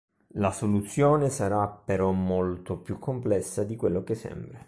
La soluzione sarà però molto più complessa di quello che sembra.